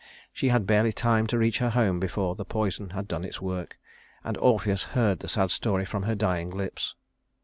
She had barely time to reach her home before the poison had done its work, and Orpheus heard the sad story from her dying lips.